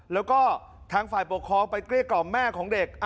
แล้วก็ทางฝ่ายปกครองไปเกลี้ยกล่อมแม่ของเด็ก